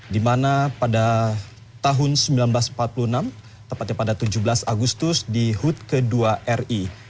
di mana pada tahun seribu sembilan ratus empat puluh enam tepatnya pada tujuh belas agustus di hut ke dua ri